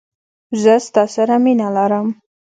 زه ستا سره مینه لرم.